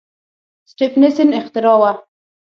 سټېفنسن اختراع وه.